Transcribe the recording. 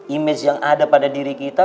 image yang ada pada diri kita